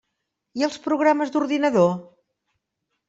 I els programes d'ordinador?